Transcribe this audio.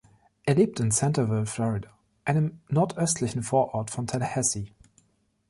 Er lebt in Centerville, Florida, einem nordöstlichen Vorort von Tallahassee.